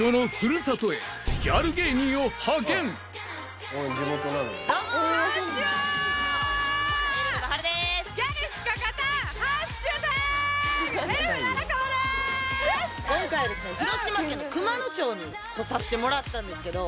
２鵑呂任垢広島県の熊野町に来させてもらったんですけど。